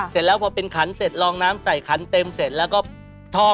เซ็นแล้วพอเป็นขั่นเสร็จลองน้ำใส่แตมเสร็จแล้วก็